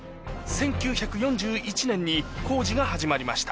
襪隠坑苅年に工事が始まりました。